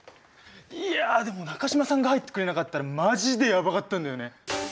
いやあでも中島さんが入ってくれなかったらマジでやばかったんだよね。